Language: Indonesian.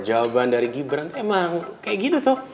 jawaban dari gibran itu emang kayak gitu tuh